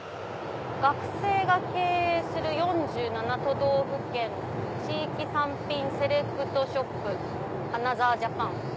「学生が経営する４７都道府県の地域産品セレクトショップアナザー・ジャパン」。